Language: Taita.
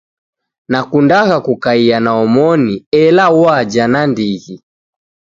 Nakudagha kukaya na omoni ela uwaja na ndighi.